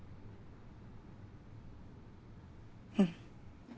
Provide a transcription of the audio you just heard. うん。